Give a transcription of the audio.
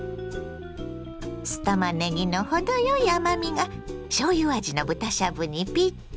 酢たまねぎの程よい甘みがしょうゆ味の豚しゃぶにピッタリ。